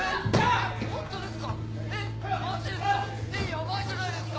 ヤバいじゃないですか！